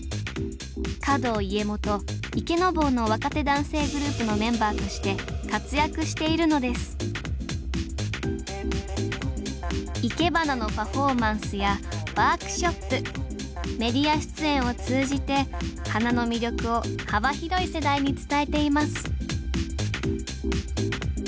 華道家元「池坊」の若手男性グループのメンバーとして活躍しているのですいけばなのパフォーマンスやワークショップメディア出演を通じて花の魅力を幅広い世代に伝えています